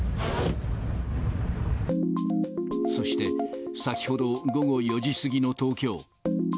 そして、先ほど午後４時過ぎの東京。